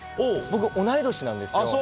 僕、同い年なんですよ。